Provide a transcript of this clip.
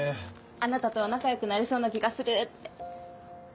「あなたとは仲良くなれそうな気がする」って。